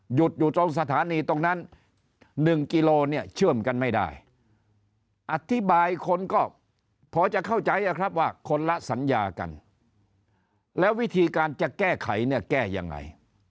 หยุดอยู่ตรงสถานีตรงนั้น๑กิโลเนี่ยเชื่อมกันไม่ได้อธิบายคนก็พอจะเข้าใจครับว่าคนละสัญญากันแล้ววิธีการจะแก้ไขเนี่ยแก้ยังไง